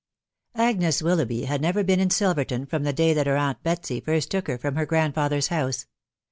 Acnes Willoughby had never been in Silverton from the day that her aunt Betsy first took her from her grandfather's house.